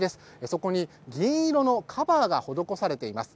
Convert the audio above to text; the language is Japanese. そこに銀色のカバーが施されています。